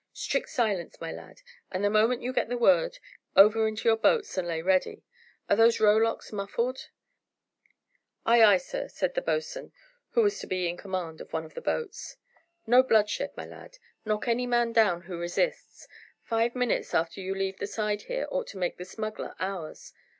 "Strict silence, my lads, and the moment you get the word, over into your boats and lay ready. Are those rowlocks muffled?" "Ay, ay, sir!" said the boatswain, who was to be in command of one of the boats. "No bloodshed, my lads. Knock any man down who resists. Five minutes after you leave the side here ought to make the smuggler ours.